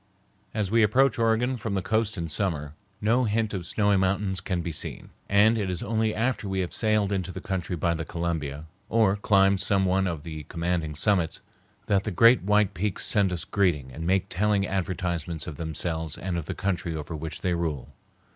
As we approach Oregon from the coast in summer, no hint of snowy mountains can be seen, and it is only after we have sailed into the country by the Columbia, or climbed some one of the commanding summits, that the great white peaks send us greeting and make telling advertisements of themselves and of the country over which they rule.